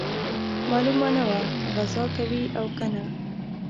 معلومه نه وه غزا کوي او کنه.